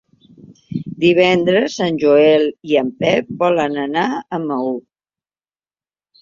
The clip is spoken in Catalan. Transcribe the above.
Divendres en Joel i en Pep volen anar a Maó.